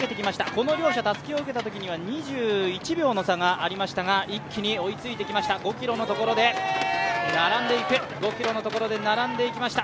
この両者、たすきを受けたときには２１秒の差がありましたが一気に追いついてきました、５ｋｍのところで並んでいきました。